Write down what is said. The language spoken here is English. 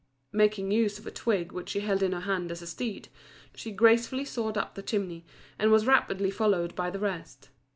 Making use of a twig which she held in her hand as a steed, she gracefully soared up the chimney, and was rapidly followed by the rest.